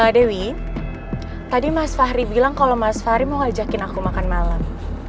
dewi tadi mas fahri bilang kalau mas fahri mau ngajakin aku makan malam